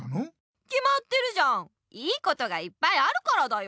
きまってるじゃんいいことがいっぱいあるからだよ。